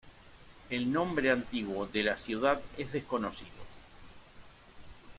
El nombre antiguo de la ciudad es desconocido.